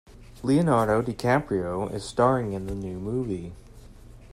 Leonardo DiCaprio is staring in the new movie.